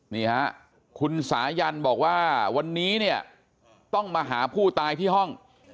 นี่ฮะคุณสายันบอกว่าวันนี้เนี่ยต้องมาหาผู้ตายที่ห้อง